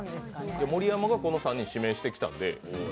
盛山がこの３人指名してきたんで。